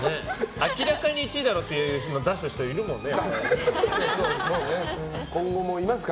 明らかに１位だろっていうの出す人いるもんね。